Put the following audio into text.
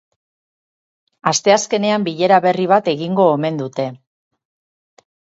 Asteazkenean bilera berri bat egingo omen dute.